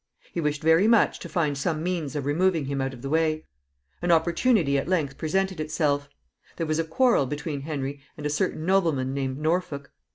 He wished very much to find some means of removing him out of the way. An opportunity at length presented itself. There was a quarrel between Henry and a certain nobleman named Norfolk.